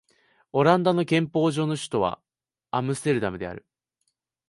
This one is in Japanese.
オランダの憲法上の首都はアムステルダムである